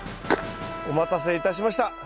お待たせいたしました。